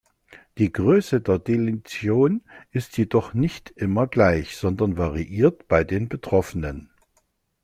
Die Größe der Deletion ist jedoch nicht immer gleich, sondern variiert bei den Betroffenen.